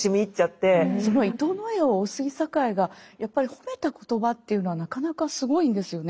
伊藤野枝を大杉栄がやっぱり褒めた言葉っていうのはなかなかすごいんですよね。